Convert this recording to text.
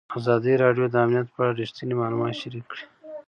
ازادي راډیو د امنیت په اړه رښتیني معلومات شریک کړي.